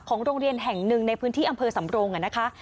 โรงเรียนแห่งหนึ่งในพื้นที่อำเภอสำรงนะคะ